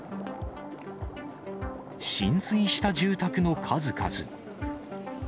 浸水した住宅の数々。